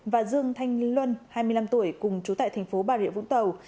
và dương thanh luân hai mươi năm tuổi cùng chú tại thành phố bà rịa vũng tàu